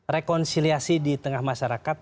rekonsiliasi di tengah masyarakat